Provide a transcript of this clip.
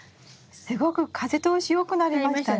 すごく風通し良くなりましたね。